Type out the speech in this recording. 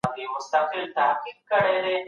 خپل سياسي برخليک په خپلو لاسونو وټاکئ.